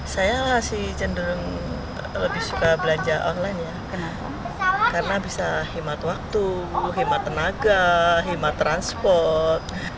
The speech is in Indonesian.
saya masih cenderung lebih suka belanja online ya karena bisa himat waktu himat tenaga himat transport